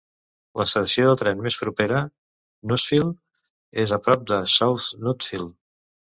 L'estació de tren més propera, Nutfield, és a prop de South Nutfield.